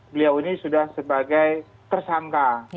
beliau ini sudah sebagai tersangka